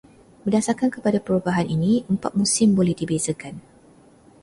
Berdasarkan kepada perubahan ini, empat musim boleh dibezakan.